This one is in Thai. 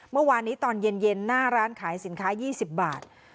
เมื่อวานนี้ตอนเย็นหน้าร้านขายสินค้า๒๐บาท